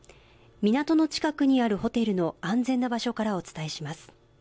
港の近くにあるホテルの安全な場所からお伝えします。